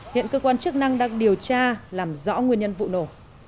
hiện cơ quan chức năng đang điều tra làm rõ nguyên nhân vụ nổ